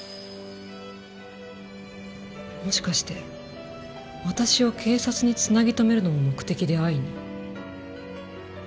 もしかして私を警察に繋ぎ留めるのも目的で会いに？